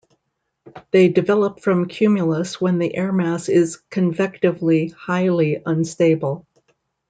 They develop from cumulus when the airmass is convectively highly unstable.